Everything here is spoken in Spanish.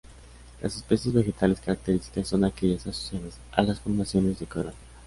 Las especies vegetales características son aquellas asociadas a las formaciones de coirón.